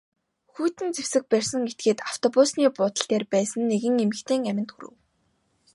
Хүйтэн зэвсэг барьсан этгээд автобусны буудал дээр байсан нэгэн эмэгтэйн аминд хүрэв.